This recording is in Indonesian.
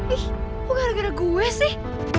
ih aku gara gara gue sih